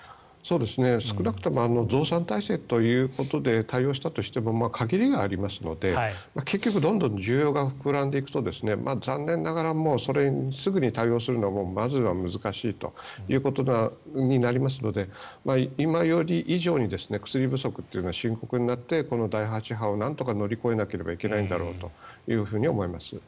少なくとも増産態勢ということで対応したとしても限りがありますので結局どんどん需要が膨らんでいくと残念ながらそれにすぐに対応するのはまず難しいということになりますので今より以上に薬不足は深刻になってこの第８波をなんとか乗り越えなければいけないんだろうと思います。